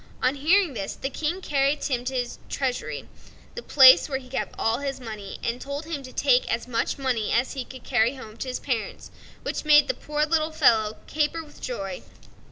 On hearing this, the King carried Tom to his treasury, the place where he kept all his money, and told him to take as much money as he could carry home to his parents, which made the poor little fellow caper with joy.